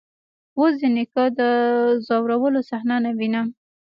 اوس د نيکه د ځورولو صحنه نه وينم.